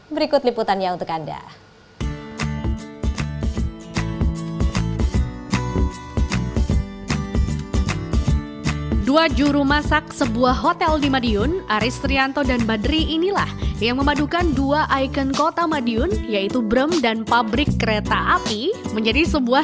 berikut liputannya untuk anda